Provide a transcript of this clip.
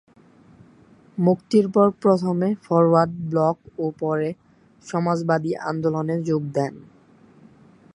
মুক্তির পর প্রথমে ফরওয়ার্ড ব্লক ও পরে সমাজবাদী আন্দোলনে যোগ দেন।